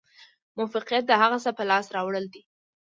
موفقیت د هغه څه په لاس راوړل دي.